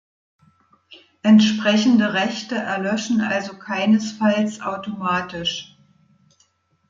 Entsprechende Rechte erlöschen also keinesfalls automatisch.